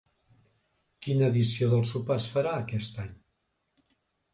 Quina edició del sopar es farà aquest any?